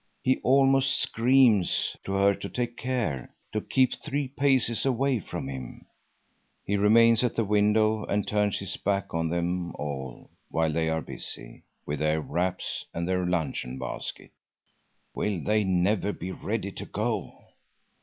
He almost screams to her to take care, to keep three paces away from him. He remains at the window and turns his back on them all, while they are busy with their wraps and their luncheon basket. Will they never be ready to go?